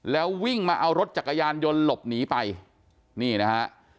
แล้ววิ่งมาเอารถจักรยานยนต์หลบหนีไปนี่นะฮะ